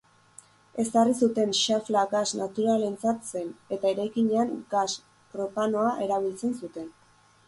Ezarri zuten xafla gas naturalarentzat zen eta eraikinean gas propanoa erabiltzen zuten.